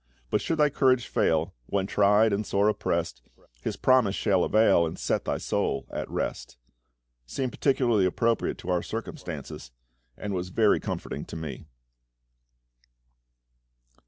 But should thy courage fail, when tried and sore oppressed, His promise shall avail, and set thy soul at rest." seemed particularly appropriate to our circumstances, and was very comforting to me.